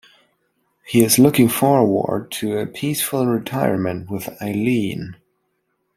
He is looking forward to a peaceful retirement with Eileen.